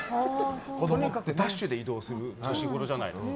とにかくダッシュで移動する年頃じゃないですか。